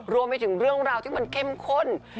รวมไปถึงเรื่องราวที่มันเข้มข้น